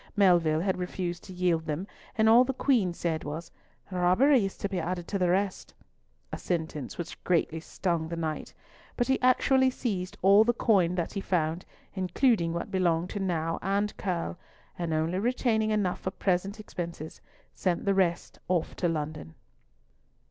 Melville had refused to yield them, and all the Queen said was, "Robbery is to be added to the rest," a sentence which greatly stung the knight, but he actually seized all the coin that he found, including what belonged to Nau and Curll, and, only retaining enough for present expenses, sent the rest off to London.